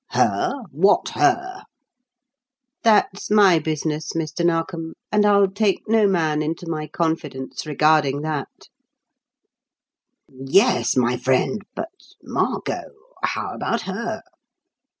"Her? What 'her'?" "That's my business, Mr. Narkom, and I'll take no man into my confidence regarding that." "Yes, my friend, but 'Margot' how about her?"